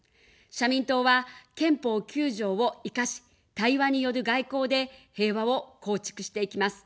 社民党は、憲法９条を活かし、対話による外交で平和を構築していきます。